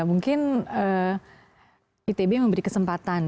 mungkin itb memberi kesempatan